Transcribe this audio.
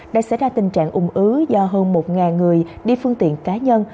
đã xảy ra tình trạng ủng ứ do hơn một người đi phương tiện cá nhân